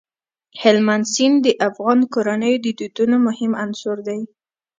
هلمند سیند د افغان کورنیو د دودونو مهم عنصر دی.